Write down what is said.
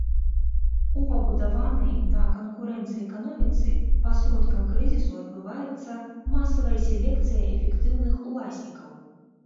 У пабудаванай на канкурэнцыі эканоміцы пасродкам крызісу адбываецца масавая селекцыя эфектыўных уласнікаў.